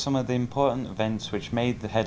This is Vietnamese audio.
chúng ta đã là một cộng đồng phát triển